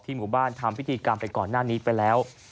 หมู่บ้านทำพิธีกรรมไปก่อนหน้านี้ไปแล้ว